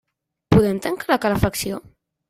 Podem tancar la calefacció?